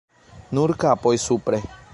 Nur kapoj supre.